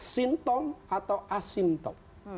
sintom atau asimptom